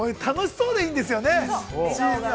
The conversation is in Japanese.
楽しそうでいいんですよね。